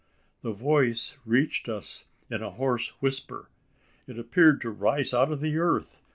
The voice reached us in a hoarse whisper. It appeared to rise out of the earth!